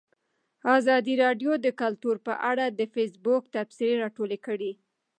ازادي راډیو د کلتور په اړه د فیسبوک تبصرې راټولې کړي.